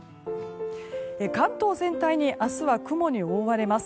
関東全体に明日は雲に覆われます。